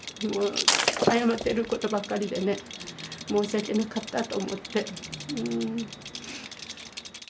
もう謝ってることばっかりでね申し訳なかったと思って。